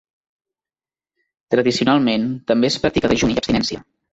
Tradicionalment també es practica dejuni i abstinència.